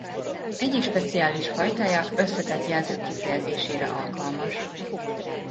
Egyik speciális fajtája összetett jelzők kifejezésére alkalmas.